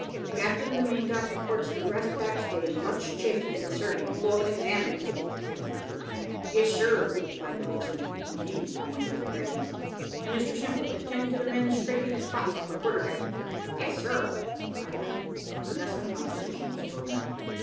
"The captain of the maintop reports the breast backstay much chafed in the serving. Go up and examine it," said the first lieutenant. "Yes, sir," replied the boatswain, who immediately went up the rigging. "And, Mr Simple, attend to the men scraping the spots off the quarterdeck." "Yes, sir," replied I; and thus our conversation was broken up.